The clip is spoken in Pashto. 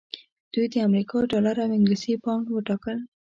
دوی د امریکا ډالر او انګلیسي پونډ وټاکل.